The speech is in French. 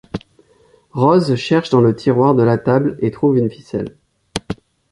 Rose cherche dans le tiroir de la table et trouve une ficelle.